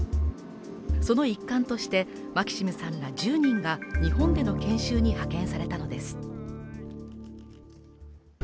その一環としてはマキシムさんら住人が日本での研修に派遣されたのです。